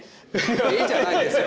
「え？」じゃないですよ。